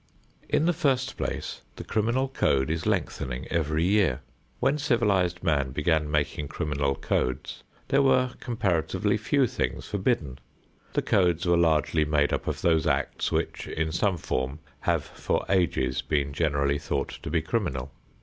In the first place, the criminal code is lengthening every year. When civilized man began making criminal codes, there were comparatively few things forbidden. The codes were largely made up of those acts which, in some form, have for ages been generally thought to be criminal.